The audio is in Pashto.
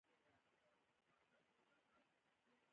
ایا زه باید خپل ویښتان رنګ کړم؟